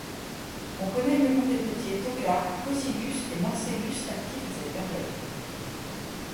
On connait le nom des potiers Tocca, Cossilus et Marcellus actifs à cette période.